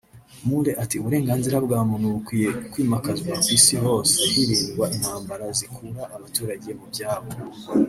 Maurer ati “Uburenganzira bwa muntu bukwiye kwimakazwa ku Isi hose hirindwa intambara zikura abaturage mu byabo